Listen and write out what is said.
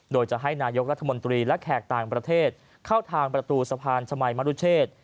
โดยจะให้นายกรัฐมนตรีและแขกต่างประเทศเข้าทางประตูสะพานชมัยมรุเชษ